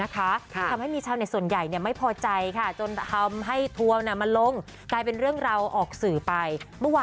ที่ในช่วงรัคคล้างแขนตาละ